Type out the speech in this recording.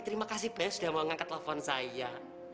terima kasih banyak sudah mau ngangkat telepon saya